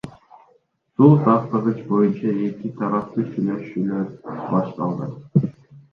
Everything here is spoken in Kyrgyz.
Суу сактагыч боюнча эки тараптуу сүйлөшүүлөр башталды.